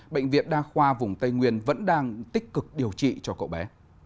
bệnh viện đa khoa vùng tây nguyên vẫn đang tích cực điều trị cho cậu bé